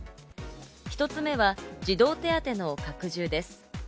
１つ目は児童手当の拡充です。